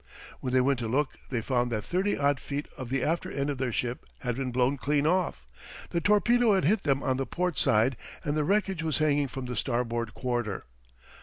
When they went to look they found that thirty odd feet of the after end of their ship had been blown clean off. The torpedo had hit them on the port side, and the wreckage was hanging from the starboard quarter.